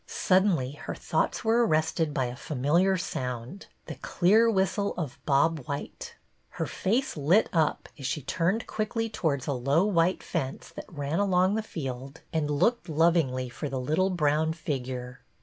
Suddenly her thoughts were arrested by a familiar sound, — the clear whistle of Bob white. Her face lit up as she turned quickly towards a low white fence that ran along the field, and looked lo BETTY BAIRD'S VENTURES lovingly for the little brown figure.